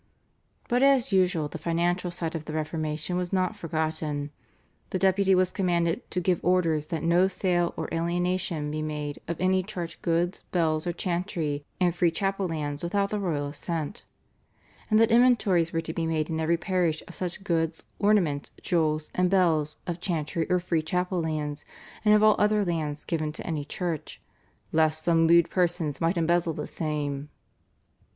But as usual the financial side of the Reformation was not forgotten. The Deputy was commanded to give order that no sale or alienation be made of any church goods, bells, or chantry and free chapel lands without the royal assent, and that inventories were to be made in every parish of such goods, ornaments, jewels, and bells, of chantry or free chapel lands, and of all other lands given to any church, "lest some lewd persons might embezzle the same."